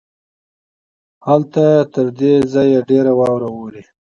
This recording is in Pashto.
هلته تر دې ځای ډېره واوره اوري.